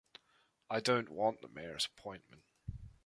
I don't want the mayor's appointment.